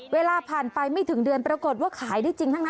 เวลาผ่านไปไม่ถึงเดือนปรากฏว่าขายได้จริงทั้งนั้น